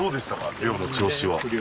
漁の調子は。